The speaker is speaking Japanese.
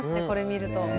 これ見ると。